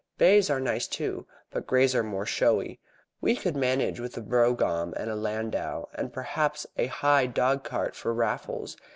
"Bays are nice too, but greys are more showy. We could manage with a brougham and a landau, and perhaps a high dog cart for Raffles.